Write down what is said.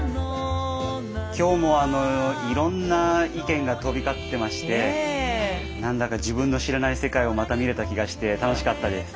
今日もいろんな意見が飛び交ってまして何だか自分の知らない世界をまた見れた気がして楽しかったです。